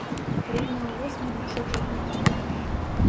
Рівно о восьмій мушу вже бути.